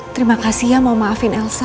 terima kasih ya mau maafin elsa